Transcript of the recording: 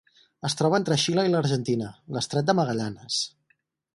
Es troba entre Xile i l'Argentina: l'Estret de Magallanes.